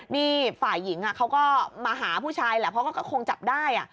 นี่ฝ่ายหญิงเขาก็มาหาผู้ชายแหละเพราะก็คงจับได้